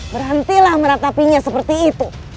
berhentilah meratapinya seperti itu